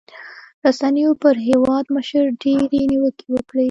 رسنيو پر هېوادمشر ډېرې نیوکې وکړې.